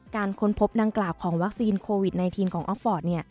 ค้นพบดังกล่าวของวัคซีนโควิด๑๙ของออฟฟอร์ต